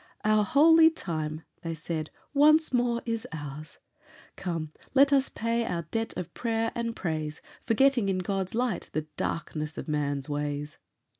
"Our holy time," they said, "once more is ours! Come, let us pay our debt of prayer and praise, Forgetting in God's light the darkness of man's ways!"